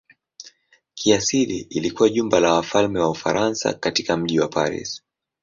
Kiasili ilikuwa jumba la wafalme wa Ufaransa katika mji wa Paris.